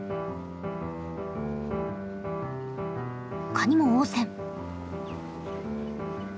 カニも応戦。